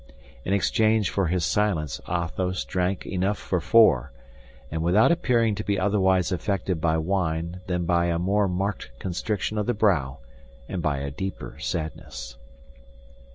In exchange for his silence Athos drank enough for four, and without appearing to be otherwise affected by wine than by a more marked constriction of the brow and by a deeper sadness.